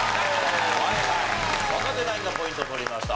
若手ナインがポイント取りました。